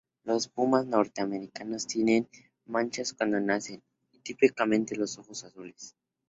Los pumas norteamericanos tienen manchas cuando nacen y típicamente los ojos azules.